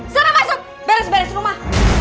siapa maksud beres beres rumah